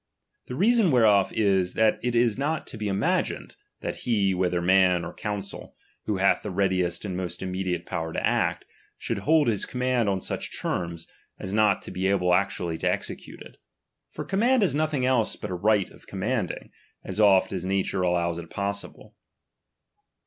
The reason whereof is, that it is not to be imagined, that he, whether man or coun cil, who hath the readiest and most immediate power to act, should bold his command on such terms, as not to be able actually to execute it ; for command is nothing else but a right of command ing, as oft as nature allows it possible.